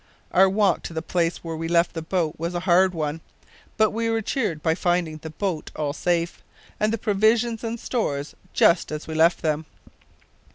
Our walk to the place where we left the boat was a hard one, but we were cheered by finding the boat all safe, and the provisions and stores just as we left them.